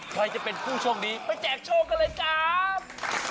ใครจะเป็นผู้โชคดีไปแจกโชคกันเลยครับ